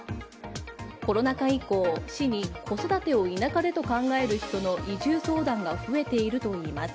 コロナ禍以降、市に子育てを田舎でと考える人の移住相談が増えているといいます。